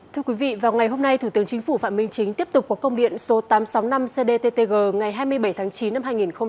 thưa quý vị vào ngày hôm nay thủ tướng chính phủ phạm minh chính tiếp tục có công điện số tám trăm sáu mươi năm cdttg ngày hai mươi bảy tháng chín năm hai nghìn hai mươi